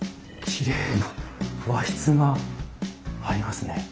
きれいな和室がありますね。